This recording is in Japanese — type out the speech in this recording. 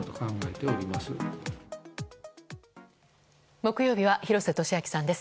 木曜日は廣瀬俊朗さんです。